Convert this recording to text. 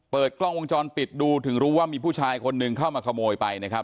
เปิดกล้องวงจรปิดดูถึงรู้ว่ามีผู้ชายคนหนึ่งเข้ามาขโมยไปนะครับ